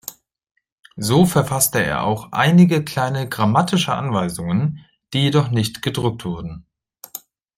So verfasste er auch einige kleine grammatische Anweisungen, die jedoch nicht gedruckt wurden.